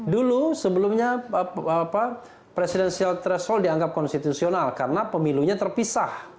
dulu sebelumnya presidensial threshold dianggap konstitusional karena pemilunya terpisah